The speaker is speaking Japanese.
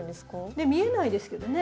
ねっ見えないですけどね。